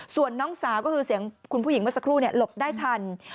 ส่วนน้องสาวก็คือเสียงคุณผู้หญิงเมื่อสักครู่หลบได้ทัน